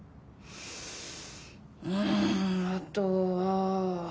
うんあとは。